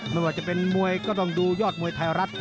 ไม่ว่าจะเป็นมวยก็ต้องดูยอดมวยไทยรัฐ